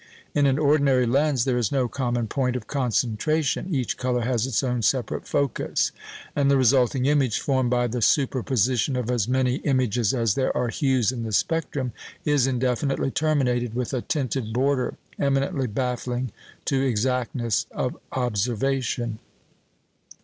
In an ordinary lens there is no common point of concentration; each colour has its own separate focus; and the resulting image, formed by the superposition of as many images as there are hues in the spectrum, is indefinitely terminated with a tinted border, eminently baffling to exactness of observation.